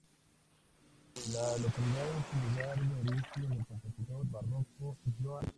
La localidad es el lugar de origen del compositor barroco Johann Friedrich Agricola.